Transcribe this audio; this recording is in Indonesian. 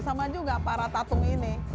sama juga para tatung ini